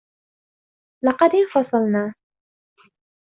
لقد انفصلنا.